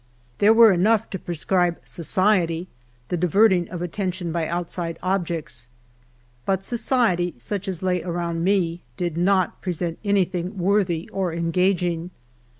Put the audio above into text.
There were enough to prescribe society, the diverting of attention by outside objects. But society, such as lay around HALE A DIME A DAY. I I me, did not present anythini]^ worthy or engaging.